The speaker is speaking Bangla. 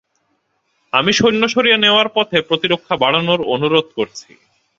আমি সৈন্য সরিয়ে নেওয়ার পথে প্রতিরক্ষা বাড়ানোর অনুরোধ করছি।